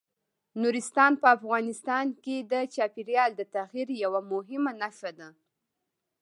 نورستان په افغانستان کې د چاپېریال د تغیر یوه مهمه نښه ده.